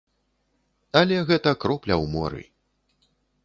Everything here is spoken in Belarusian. Але гэта кропля ў моры.